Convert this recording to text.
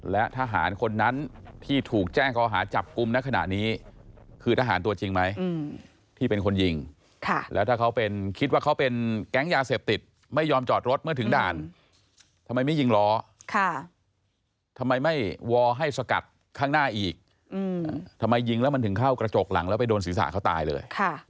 และทหารคนนั้นที่ถูกแจ้งข้อหาจับกลุ่มณขณะนี้คือทหารตัวจริงไหมที่เป็นคนยิงแล้วถ้าเขาเป็นคิดว่าเขาเป็นแก๊งยาเสพติดไม่ยอมจอดรถเมื่อถึงด่านทำไมไม่ยิงล้อทำไมไม่วอลให้สกัดข้างหน้าอีกทำไมยิงแล้วมันถึงเข้ากระจกหลังแล้วไปโดนศีรษะเขาตายเลย